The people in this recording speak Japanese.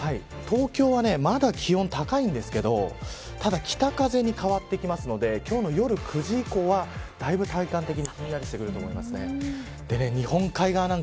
東京は、まだ気温が高いんですがただ、北風に変わってきますので今日の夜９時以降はだいぶ体感的にひんやりしてくると思いますね。